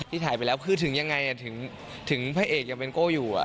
ถ่ายไปแล้วคือถึงยังไงถึงพระเอกยังเป็นโก้อยู่